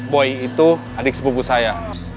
boy itu adik sepupu saya